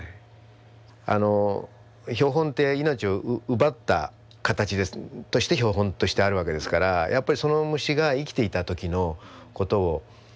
標本って命を奪った形として標本としてあるわけですからやっぱりその虫が生きていた時のことをきちんと表現してあげるというか。